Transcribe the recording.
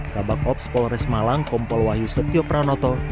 kabak ops polres malang kompol wahyu setio pranoto